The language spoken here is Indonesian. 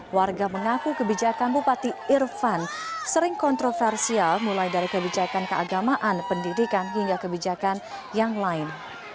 warga mengaku kebijakan bupati irfan sering kontroversial mulai dari kebijakan keagamaan pendidikan hingga kebijakan yang lain